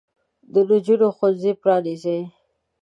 د نجونو ښوونځي پرانیزئ.